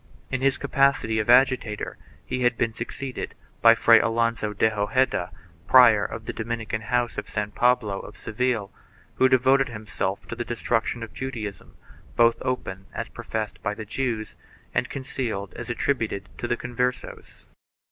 In his capacity of agitator he had been succeeded by Fray Alonso de Hojeda, prior of the Dominican house of San Pablo of Seville, who devoted himself to the destruction of Judaism, both open as professed by the Jews and concealed as attributed to the Converses